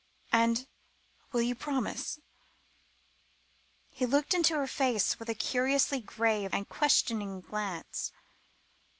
"And you will promise?" He looked into her face with a curiously grave and questioning glance.